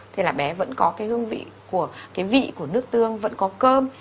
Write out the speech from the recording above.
thế là bé vẫn có cái vị của nước tương vẫn có cơm